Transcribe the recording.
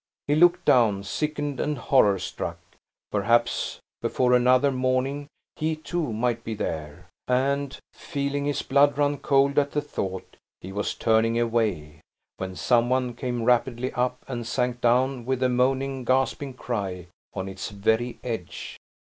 He looked down, sickened and horror struck. Perhaps, before another morning, he, too, might be there; and, feeling his blood run cold at the thought, he was turning away, when some one came rapidly up, and sank down with a moaning gasping cry on its very edge.